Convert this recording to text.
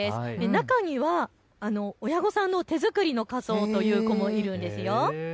中には親御さんの手作りの仮装という子もいるんですよ。